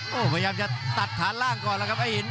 โอ้โหพยายามจะตัดฐานล่างก่อนแล้วครับไอ้หิน